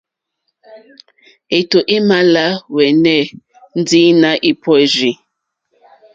Étò é mà lá hwɛ́nɛ́ ndí nà è pùrzí.